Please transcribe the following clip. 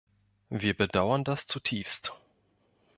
Wir bedauern das zutiefst.